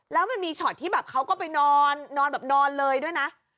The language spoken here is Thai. แล้วมันมีช็อตที่แบบเขาก็ไปนอนนอนแบบนอนเลยด้วยนะ